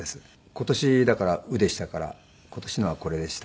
今年だから卯でしたから今年のはこれでした。